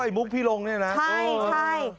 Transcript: อ๋อไอ้มุกพี่โรงเนี่ยนะ